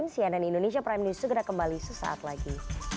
cnn indonesia prime news segera kembali sesaat lagi